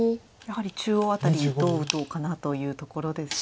やはり中央辺りどう打とうかなというところですか。